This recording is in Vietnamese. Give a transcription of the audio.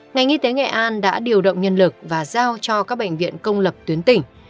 ngành y tế nghệ an đã điều động nhân lực và giao cho các bệnh viện công lập tuyến tỉnh